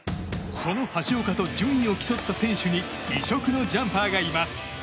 その橋岡と順位を競った選手に異色のジャンパーがいます。